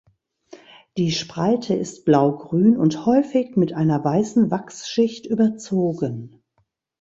Die Spreite ist blaugrün und häufig mit einer weißen Wachsschicht überzogen.